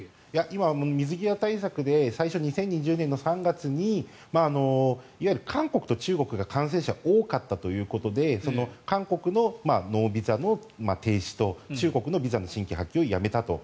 今は水際対策で最初、２０２０年の３月にいわゆる韓国と中国が感染者が多かったということで韓国のノービザの停止と中国のビザの新規発給をやめたと。